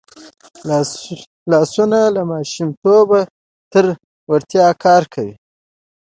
لاسونه له ماشومتوبه تر زوړتیا کار کوي